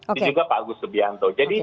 ini juga pak agus subianto